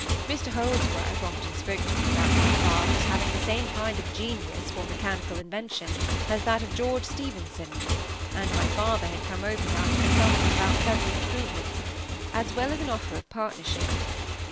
Mr Holdsworth often spoke to me about my father as having the same kind of genius for mechanical invention as that of George Stephenson, and my father had come over now to consult him about several improvements, as well as an offer of partnership.